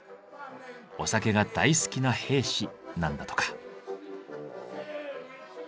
お酒が大好きな兵士なんだとか。